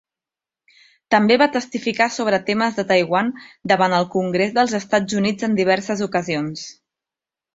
També va testificar sobre temes de Taiwan davant el Congrés dels Estats Units en diverses ocasions.